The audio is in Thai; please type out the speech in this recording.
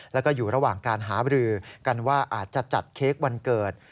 แล้วก็อยู่ระหว่างการหาบรือกันว่าอาจจะจัดเค้กวันเกิด